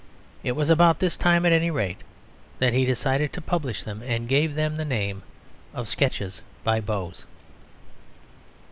It was about this time at any rate that he decided to publish them, and gave them the name of Sketches by Boz.